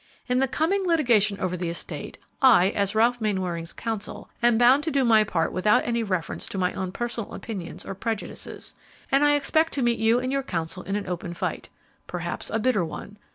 In the coming litigation over the estate, I, as Ralph Mainwaring's counsel, am bound to do my part without any reference to my own personal opinions or prejudices, and I expect to meet you and your counsel in an open fight, perhaps a bitter one.